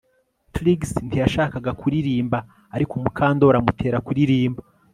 Trix ntiyashakaga kuririmba ariko Mukandoli amutera kuririmba